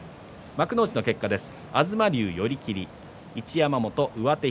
幕内の結果です。